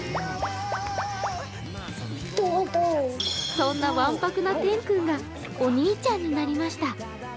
そんなわんぱくなてん君がお兄ちゃんになりました。